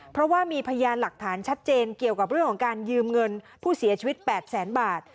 เพราะว่ามีพยานหลักฐานชัดเจนเกี่ยวกับเรื่องของการยืมเงินผู้เสียชีวิต๘แสนบาท